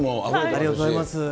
ありがとうございます。